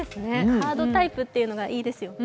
カードタイプっていうのがいいですよね。